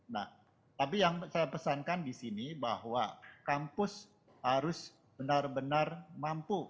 nah tapi yang saya pesankan di sini bahwa kampus harus benar benar mampu